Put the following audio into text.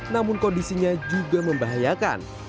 namun kondisinya juga membahayakan